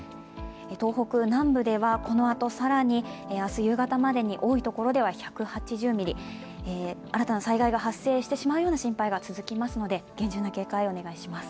東北南部ではこのあと更に明日夕方までに多いところでは１８０ミリ、新たな災害が発生してしまうような心配が続きますので、厳重な警戒をお願いします。